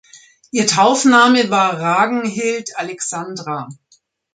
Ihr Taufname war Ragnhild Alexandra.